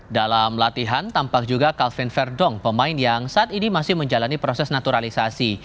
dalam latihan tampak juga kalvin verdong pemain yang saat ini masih menjalani proses naturalisasi